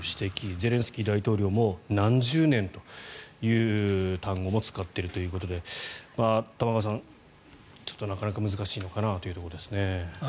ゼレンスキー大統領も何十年という単語も使っているということで玉川さん、なかなか難しいのかなというところですね。